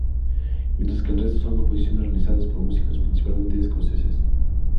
Mientras que el resto son composiciones realizadas por músicos principalmente escoceses.